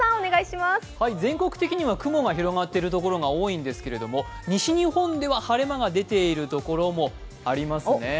全国的に雲が広がっているところが多いんですけれども、西日本では晴れ間が出ているところもありますね。